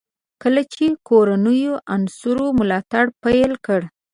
کله چې کورنیو عناصرو ملاتړ پیل کړ.